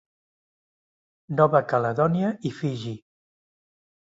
Nova Caledònia i Fiji.